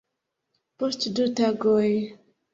Post du tagoj